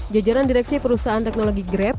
jajaran direksi perusahaan teknologi grab